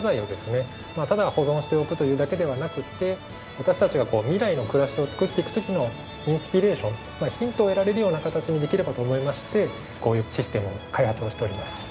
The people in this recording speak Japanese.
私たちが未来の暮らしを作っていく時のインスピレーションヒントを得られるような形にできればと思いましてこういうシステムの開発をしております。